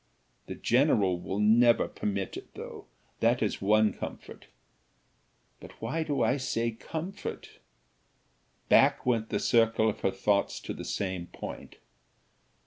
The general will never permit it, though that is one comfort. But why do I say comfort?" Back went the circle of her thoughts to the same point.